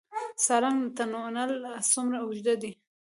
سالنګ تونل څومره اوږد دی؟